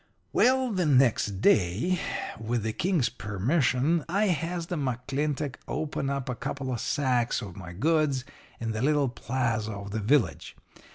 "Well, the next day, with the King's permission, I has the McClintock open up a couple of sacks of my goods in the little plaza of the village.